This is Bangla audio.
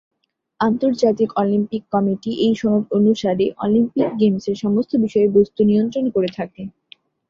আন্তর্জাতিক অলিম্পিক কমিটি এই সনদ অনুসারে অলিম্পিক গেমসের সমস্ত বিষয়বস্তু নিয়ন্ত্রণ করে থাকে।